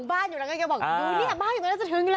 ขึ้นจากถุงบ้านอยู่แล้วแกบอกดูเนี่ยบ้านอยู่แล้วจะถึงแล้ว